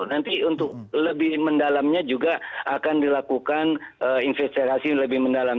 nanti untuk lebih mendalamnya juga akan dilakukan investigasi lebih mendalam